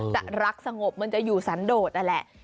จะรักสงบมันจะอยู่สันโดดนั่นแหละ